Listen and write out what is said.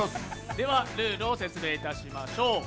では、ルールを説明いたしましょう。